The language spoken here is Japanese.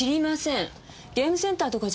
ゲームセンターとかじゃないですか。